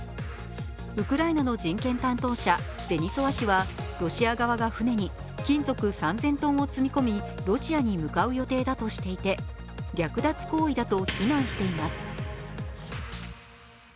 ウクライナの人権担当者・デニソワ氏はロシア側が船に金属３０００ｔを積み込み、ロシアに向かう予定だとしていて、略奪行為だと非難しています。